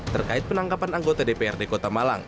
terkait penangkapan anggota dprd kota malang